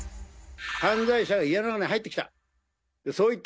犯罪者が家の中に入ってきた。